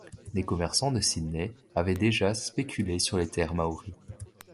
Des commerçants de Sydney avaient déjà spéculé sur les terres Māori.